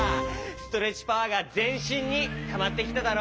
ストレッチパワーがぜんしんにたまってきただろ？